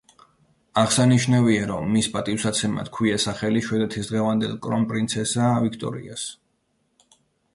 აღსანიშნავია, რომ მის პატივსაცემად ჰქვია სახელი შვედეთის დღევანდელ კრონპრინცესა ვიქტორიას.